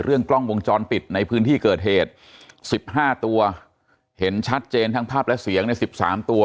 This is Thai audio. เรื่องกล้องวงจรปิดในพื้นที่เกิดเหตุสิบห้าตัวเห็นชัดเจนทั้งภาพและเสียงในสิบสามตัว